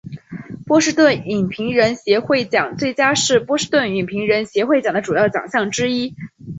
波士顿影评人协会奖最佳是波士顿影评人协会奖的主要奖项之一。